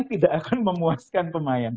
tidak akan memuaskan pemain